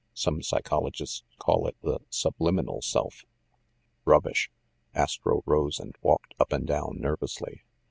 Some psychologists call it the 'subliminal* self." "Rubbish!" Astro rose and walked up and down nervously.